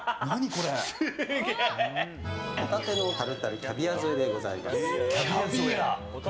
ホタテのタルタルキャビア添えでございます。